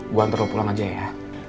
gue antar lo pulang aja ya